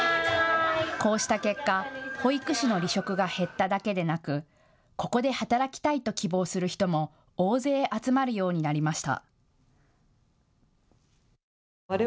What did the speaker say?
こうした結果、保育士の離職が減っただけでなくここで働きたいと希望する人も大勢、集まるようになりました。